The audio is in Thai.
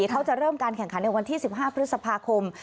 เขาจะเริ่มการแข่งขันในวันที่๑๕พฤษภาคม